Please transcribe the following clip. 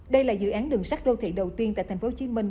đây là dự án đường sắt đô thị đầu tiên tại thành phố hồ chí minh